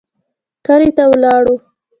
کلي ته ولاړو.